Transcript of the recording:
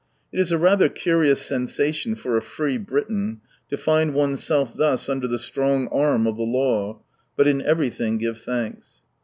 It is a rather curious sensation for a free Briton, to find oneself thus under the strong Arm of the Law, but —" In everything give thanks."